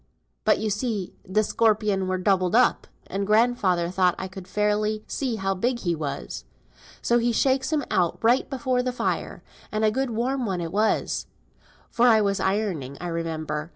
But you see th' scorpion were doubled up, and grandfather thought I couldn't fairly see how big he was. So he shakes him out right before the fire; and a good warm one it was, for I was ironing, I remember.